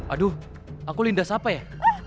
aduh aku lindas apa ya